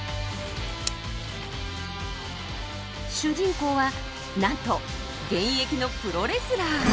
主人公はなんと現役のプロレスラー。